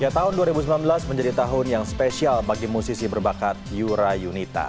tahun dua ribu sembilan belas menjadi tahun yang spesial bagi musisi berbakat yura yunita